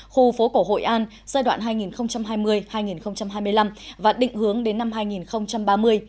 khu phố cổ hội an giai đoạn hai nghìn hai mươi hai nghìn hai mươi năm và định hướng đến năm hai nghìn ba mươi